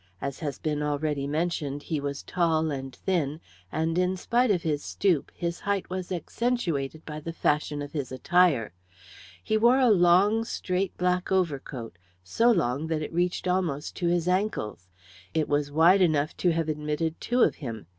As has been already mentioned, he was tall and thin, and, in spite of his stoop, his height was accentuated by the fashion of his attire. He wore a long, straight black overcoat, so long that it reached almost to his ankles. It was wide enough to have admitted two of him.